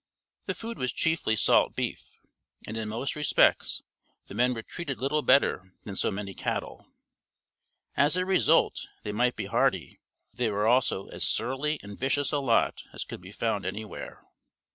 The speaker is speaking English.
The food was chiefly salt beef, and in most respects the men were treated little better than so many cattle. As a result they might be hardy, but they were also as surly and vicious a lot as could be found anywhere.